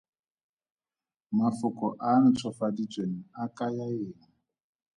Mafoko a a ntshofaditsweng a kaya eng?